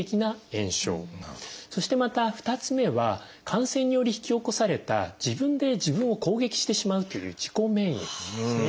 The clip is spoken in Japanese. そしてまた２つ目は感染により引き起こされた自分で自分を攻撃してしまうという自己免疫ですね。